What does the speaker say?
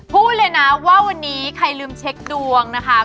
พูดเลยนะว่าวันนี้ใครลืมเช็คดวงนะคะ